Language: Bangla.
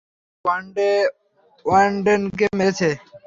সে ওয়ার্ডেনকে মেরেছ।